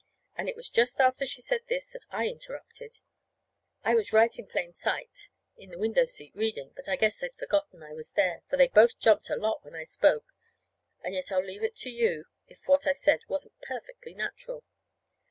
And it was just after she said this that I interrupted. I was right in plain, sight in the window seat reading; but I guess they'd forgotten I was there, for they both jumped a lot when I spoke. And yet I'll leave it to you if what I said wasn't perfectly natural.